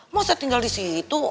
masa tinggal di situ